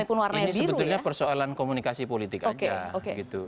ini sebetulnya persoalan komunikasi politik aja gitu